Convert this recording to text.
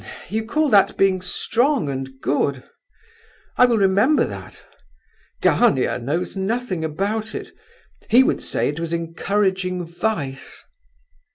H'm! You call that being strong and good? I will remember that! Gania knows nothing about it. He would say that it was encouraging vice."